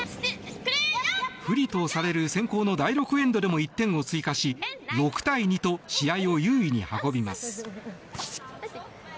不利とされる先攻の第６エンドでも１点を追加し、６対２と試合を優位に運びます。